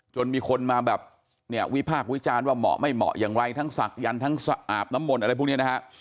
จนมีคนมาแบบเนี่ยวิพากษ์วิจารณ์ว่าเหมาะไม่เหมาะอย่างไรทั้งศักยันต์ทั้งอาบน้ำมนต์อะไรพวกนี้นะฮะ